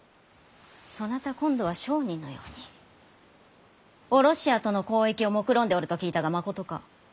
そなた今度は商人のようにヲロシアとの交易をもくろんでおると聞いたがまことか！？